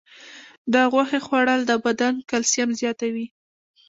د غوښې خوړل د بدن کلسیم زیاتوي.